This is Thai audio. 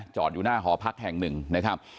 อยู่หน้าหอพักแห่งหนึ่งนะครับ